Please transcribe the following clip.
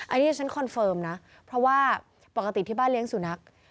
อันนี้ฉันคอนเฟิร์มนะเพราะว่าปกติที่บ้านเลี้ยงสุนัข